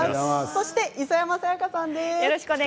そして、磯山さやかさんです。